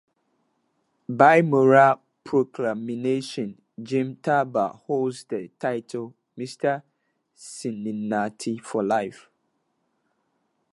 By mayoral proclamation, Jim Tarbell holds the title "Mr. Cincinnati" for life.